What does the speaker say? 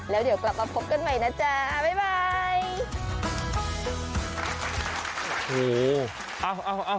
แล้วเดี๋ยวกลับมาพบกันใหม่นะจ๊ะบ๊ายบาย